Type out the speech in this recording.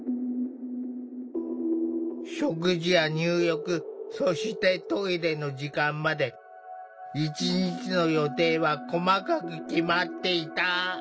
食事や入浴そしてトイレの時間まで一日の予定は細かく決まっていた。